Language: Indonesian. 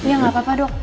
ya gak apa apa dok